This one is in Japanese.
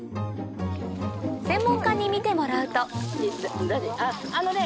専門家に見てもらうとあのね